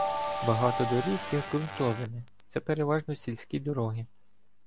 Багато доріг є ґрунтовими, це переважно сільські дороги.